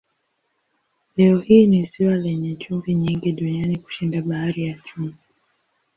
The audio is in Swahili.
Leo hii ni ziwa lenye chumvi nyingi duniani kushinda Bahari ya Chumvi.